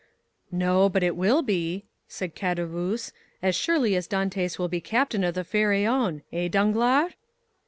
"No, but it will be," said Caderousse, "as surely as Dantès will be captain of the Pharaon—eh, Danglars?"